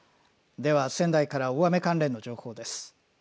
では仙台から大雨関連の情報です。